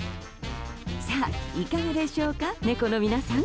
さあ、いかがでしょうか猫の皆さん。